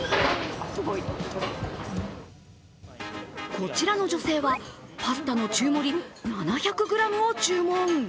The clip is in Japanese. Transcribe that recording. こちらの女性はパスタの中盛り７００ｇを注文。